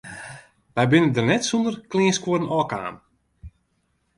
Wy binne der net sûnder kleanskuorren ôfkaam.